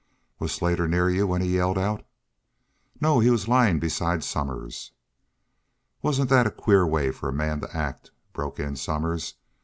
"Was Slater near you when he yelled out?" "No. He was lyin' beside Somers." "Wasn't thet a queer way fer a man to act?" broke in Somers.